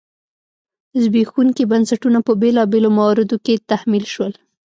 زبېښونکي بنسټونه په بېلابېلو مواردو کې تحمیل شول.